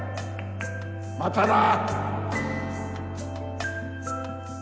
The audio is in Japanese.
またな。